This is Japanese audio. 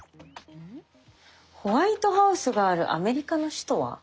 「ホワイトハウスがあるアメリカの首都は？」。